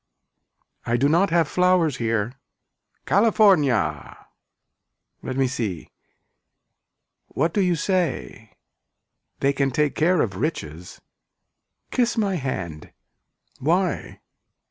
I do not have flowers here. CALIFORNIA Let me see. What do you say. They can take care of riches. Kiss my hand. Why.